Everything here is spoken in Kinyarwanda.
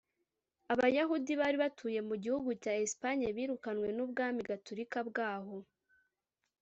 Abayahudi bari batuye mu gihugu cya Espagne birukanwe n’ubwami Gatorika bwaho